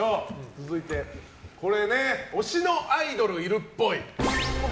続いて推しのアイドルいるっぽい。